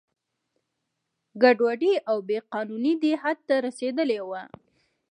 ګډوډي او بې قانونه دې حد ته رسېدلي وو.